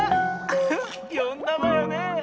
ウフよんだわよね？